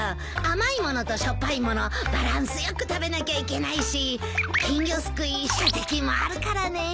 甘い物としょっぱい物バランス良く食べなきゃいけないし金魚すくい射的もあるからね。